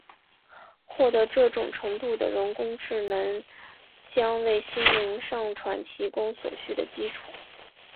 获得这种程度的人工智能将为心灵上传提供所需的基础。